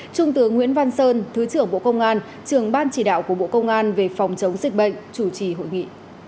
trung tướng nguyễn văn sơn thứ trưởng bộ công an trường ban chỉ đạo của bộ công an về phòng chống dịch bệnh chủ trì hội nghị